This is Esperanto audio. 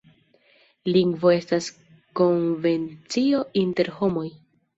Lingvo estas konvencio inter homoj.